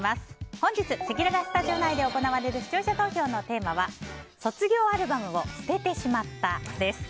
本日せきららスタジオ内で行われる視聴者投票のテーマは卒業アルバムを捨ててしまったです。